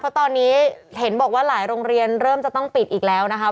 เพราะตอนนี้เห็นบอกว่าหลายโรงเรียนเริ่มจะต้องปิดอีกแล้วนะคะ